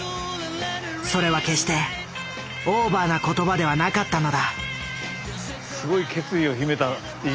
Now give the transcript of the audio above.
それは決してオーバーな言葉ではなかったのだ。